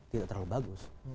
tidak terlalu bagus